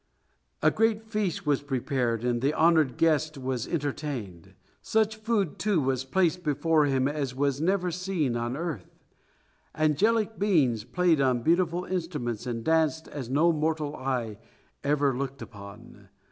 A great feast was prepared, and the honoured guest was entertained. Such food, too, was placed before him as was never seen on earth. Angelic beings played on beautiful instruments and danced as no mortal eye ever looked upon.